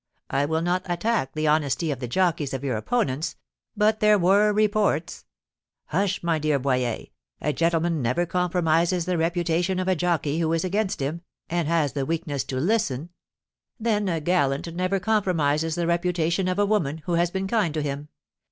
I will not attack the honesty of the jockeys of your opponents; but there were reports " "Hush, my dear Boyer, a gentleman never compromises the reputation of a jockey who is against him, and has the weakness to listen " "Then a gallant never compromises the reputation of a woman who has been kind to him.